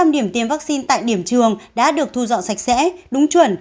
bốn trăm linh điểm tiêm vaccine tại điểm trường đã được thu dọn sạch sẽ đúng chuẩn